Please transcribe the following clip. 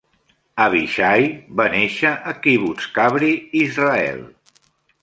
Avishai va néixer a Kibbutz Kabri, Israel.